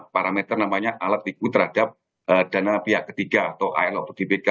parameter namanya alat tiku terhadap dana pihak ketiga atau ilo atau dbk